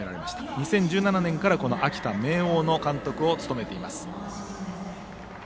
２０１７年から秋田・明桜の監督を務めています。